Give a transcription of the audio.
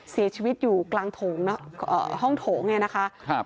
เสียชีวิตอยู่กลางโถงห้องโถงไงนะคะ